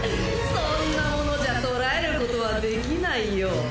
そんなものじゃ捕らえることはできないよ。